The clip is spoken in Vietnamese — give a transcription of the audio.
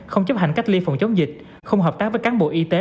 không chấp hành cách ly phòng chống dịch không hợp tác với cán bộ y tế